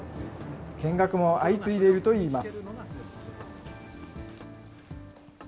見学も相次いでいるといいます。